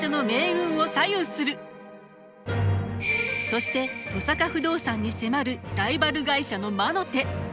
そして登坂不動産に迫るライバル会社の魔の手。